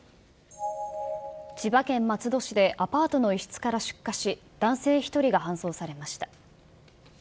千葉県松戸市で、アパートの一室から出火し、男性１人が搬送されました。